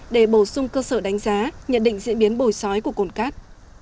để bổ sung cơ sở đánh giá nhận định diễn biến bồi sói của cồn cát